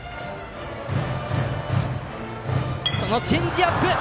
そのチェンジアップ！